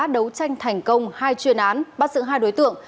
đấu tranh thành công hai chuyên án bắt giữ hai đối tượng